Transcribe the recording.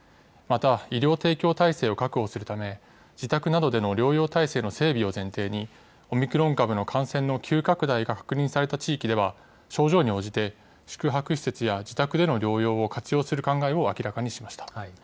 また医療提供体制を確保するため、自宅などでの療養体制の整備を前提に、オミクロン株の感染の急拡大が確認された地域では、症状に応じて宿泊施設や自宅での療養を活用する考えを明らかにしました。